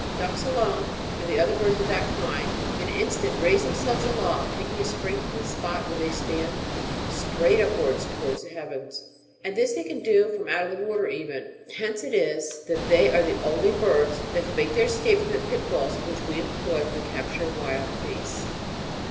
Ducks alone, and the other bu ds of that kind, in an instant raise themselves aloft, taking a spring from the spot where they stand straight upwards towards the heavens ; and this they can do from out of the water even ; hence it is that they are the only birds that can make their 5s B, iii. c. 7. Chap 56.] FOOD OF BIRDS. 521 escape from the pitfalls which we employ for the capture of wild beasts.